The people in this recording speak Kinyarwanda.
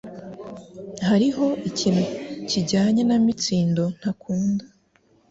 Hariho ikintu kijyanye na Mitsindo ntakunda